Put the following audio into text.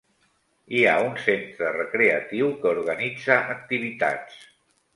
Hi ha un centre recreatiu que organitza activitats.